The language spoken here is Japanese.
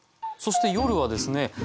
そして夜はですね